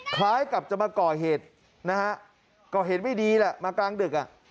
คล้ายกับจะมาก่อเหตุนะฮะก่อเหตุไม่ดีแหละมากลางดึกอ่ะ